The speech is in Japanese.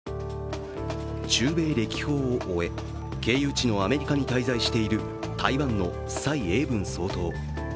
中米歴訪を終え経由地のアメリカに滞在している台湾の蔡英文総統。